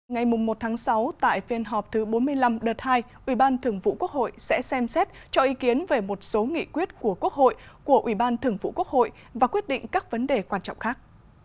ngày một sáu tại phiên họp thứ bốn mươi năm đợt hai ubthq sẽ xem xét cho ý kiến về một số nghị quyết của quốc hội của ubthq và quyết định các vấn đề quan trọng khác